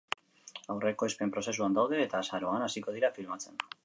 Aurre-ekoizpen prozesuan daude, eta azaroan hasiko dira filmatzen.